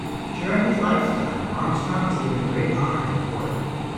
During his lifetime Armstrong was given great honours at court.